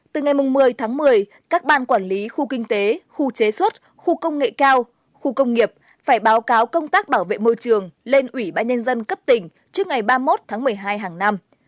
từ ngày một mươi tháng một mươi các ban quản lý khu kinh tế khu chế xuất khu công nghệ cao khu công nghiệp phải báo cáo công tác bảo vệ môi trường lên ủy ban nhân dân cấp tỉnh trước ngày ba mươi một tháng một mươi hai hàng năm